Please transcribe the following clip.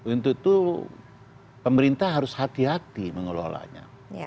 untuk itu pemerintah harus hati hati mengelolanya